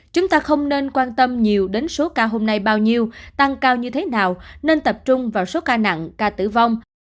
chúng ta không nên quan tâm nhiều đến số ca hôm nay bao nhiêu tăng cao như thế nào nên tập trung vào số ca nặng ca tử vong